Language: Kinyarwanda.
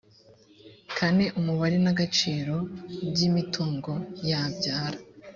kane umubare n agaciro by imitungo yabyara